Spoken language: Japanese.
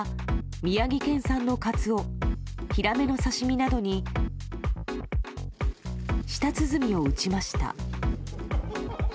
宮城県産のカツオ、ヒラメの刺身などに、舌鼓を打ちました。